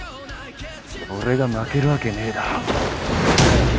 俺が負けるわけねえだろ